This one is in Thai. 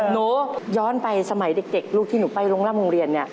หนูย้อนไปสมัยเด็กลูกที่หนูไปร้องร่ำโรงเรียน